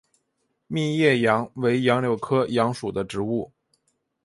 密叶杨为杨柳科杨属的植物。